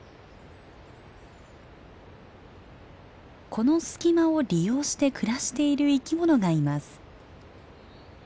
この隙間を利用して暮らしている生き物がいます。